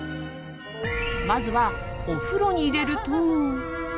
まずは、お風呂に入れると。